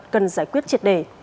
cần giải quyết triệt đề